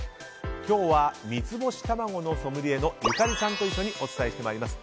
今日は三ツ星タマゴのソムリエのゆかりさんと一緒にお伝えしてまいります。